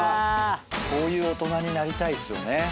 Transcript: こういう大人になりたいっすよね。